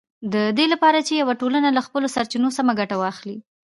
د دې لپاره چې یوه ټولنه له خپلو سرچینو سمه ګټه واخلي